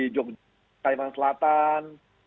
jogja kaimang selatan